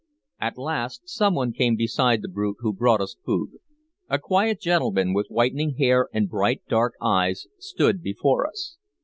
At last some one came beside the brute who brought us food. A quiet gentleman, with whitening hair and bright dark eyes, stood before us.